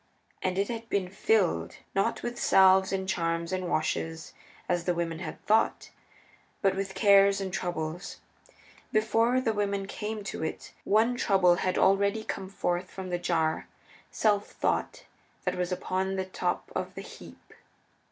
And it had been filled, not with salves and charms and washes, as the women had thought, but with Cares and Troubles. Before the women came to it one Trouble had already come forth from the jar Self thought that was upon the top of the heap.